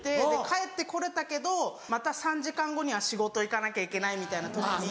帰って来れたけどまた３時間後には仕事行かなきゃいけないみたいな時に。